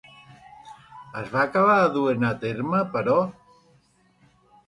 Es va acabar duent a terme, però?